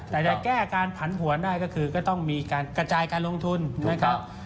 แต่จะแก้การผันผวนได้ก็คือก็ต้องมีการกระจายการลงทุนนะครับ